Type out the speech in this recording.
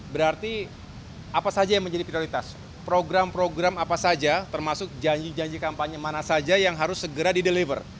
berarti apa saja yang menjadi prioritas program program apa saja termasuk janji janji kampanye mana saja yang harus segera dideliver